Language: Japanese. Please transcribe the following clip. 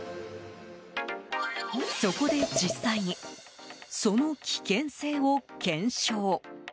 そこで実際にその危険性を検証。